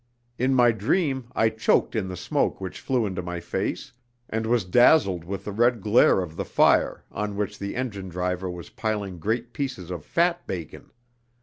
In my dream I choked in the smoke which flew into my face, and was dazzled with the red glare of the fire, on which the engine driver was piling great pieces of fat bacon.